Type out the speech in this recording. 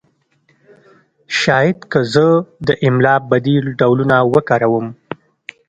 شاید که زه د املا بدیل ډولونه وکاروم